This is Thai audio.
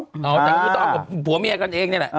แต่ก็คือต้องเอากับผัวเมียกันเองนี่แหละ